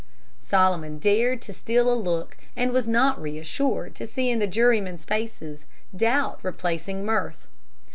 Solomon dared to steal a look, and was not reassured to see in the jurymen's faces doubt replacing mirth.